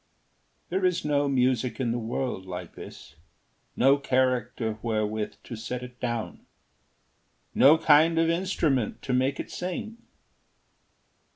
There is no music in the world like this, No character wherewith to set it down, No kind of instrument to make it sing.